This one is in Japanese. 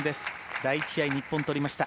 第１試合は日本が取りました。